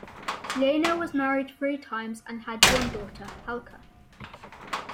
Leino was married three times and had one daughter, Helka.